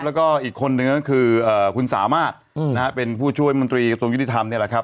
แล้วก็อีกคนนึงก็คือคุณสามารถนะฮะเป็นผู้ช่วยมนตรีกระทรวงยุติธรรมนี่แหละครับ